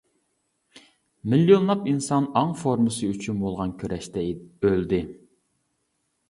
مىليونلاپ ئىنسان ئاڭ فورمىسى ئۈچۈن بولغان كۈرەشتە ئۆلدى.